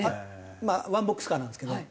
ワンボックスカーなんですけど。